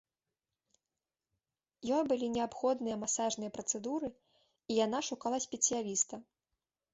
Ёй былі неабходныя масажныя працэдуры і яна шукала спецыяліста.